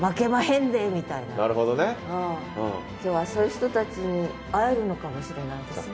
今日はそういう人たちに会えるのかもしれないですね。